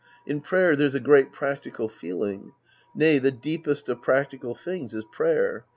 In prayer there's a great practical feel ing. Nay, the deepest of practical things is prayer.